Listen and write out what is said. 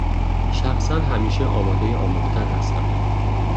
شخصا همیشه آماده آموختن هستم